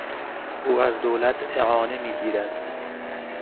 او از دولت اعانه میگیرد.